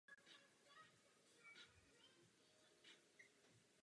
Rozvoj je dostatečně reálný, je však postižen příliš mnoha rozdíly.